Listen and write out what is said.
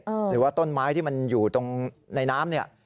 หรือว่าต้นไม้ที่มันอยู่ตรงในน้ำเนี่ย